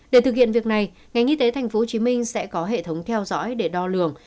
để thực hiện việc này ngành y tế tp hcm sẽ có hệ thống theo dõi để đo lường